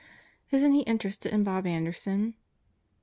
"Isn't he interested in Bob Anderson?"